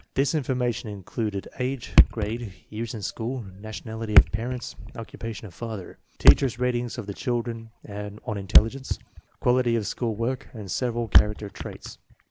This information included age, grade, years in school, nationality of parents, occupation of father, teachers' ratings of the children on intelligence, qual ity of school work, and several character traits.